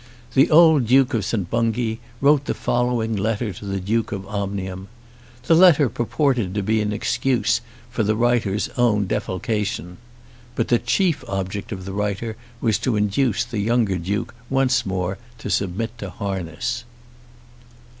The old Duke of St. Bungay wrote the following letter to the Duke of Omnium. The letter purported to be an excuse for the writer's own defalcation. But the chief object of the writer was to induce the younger Duke once more to submit to harness.